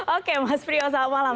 oke mas prio selamat malam